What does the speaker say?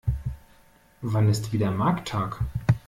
Wann ist wieder Markttag?